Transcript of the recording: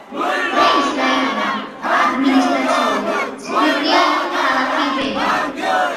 რენის რაიონის ადმინისტრაციული ცენტრია ქალაქი რენი.